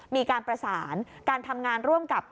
มีการประสานการทำงานร่วมกับ